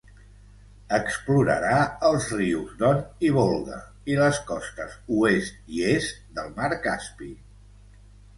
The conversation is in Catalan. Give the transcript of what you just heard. Explorarà els rius Don i Volga, i les costes oest i est del mar Caspi.